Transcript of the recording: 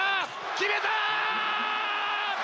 決めた！